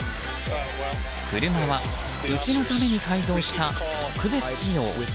車は牛のために改造した特別仕様。